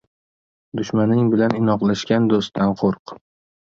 — Dushmaning bilan inoqlashgan do‘stdan qo‘rq.